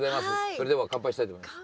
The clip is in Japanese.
それでは乾杯したいと思います。